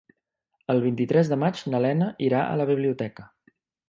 El vint-i-tres de maig na Lena irà a la biblioteca.